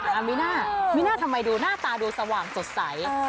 มิน่ามีน่าทำไมดูหน้าตาดูสว่างสดใส